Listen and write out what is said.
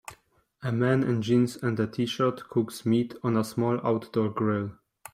A man in jeans and a tshirt cooks meat on a small outdoor grill.